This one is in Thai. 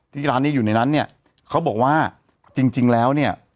ที่ร้านนี้อยู่ในนั้นเนี่ยเขาบอกว่าจริงแล้วเนี่ย